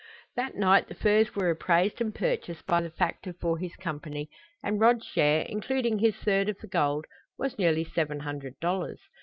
That night the furs were appraised and purchased by the factor for his Company, and Rod's share, including his third of the gold, was nearly seven hundred dollars.